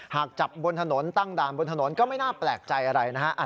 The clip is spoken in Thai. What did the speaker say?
หากจับบนถนนตั้งด่านบนถนนก็ไม่น่าแปลกใจอะไรนะฮะ